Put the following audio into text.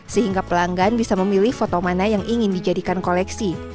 sehingga pelanggan bisa memilih foto mana yang ingin dijadikan koleksi